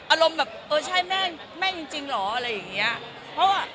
อารมณ์แบบเออใช่แม่แม่จริงเหรออะไรอย่างเงี้ยเพราะว่า